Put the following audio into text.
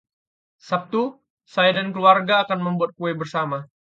Sabtu, saya dan keluarga akan membuat kue bersama.